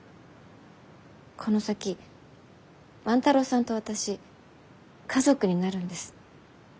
この先万太郎さんと私家族になるんです。